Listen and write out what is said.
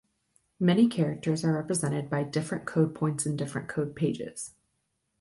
Many characters are represented by different code points in different code pages.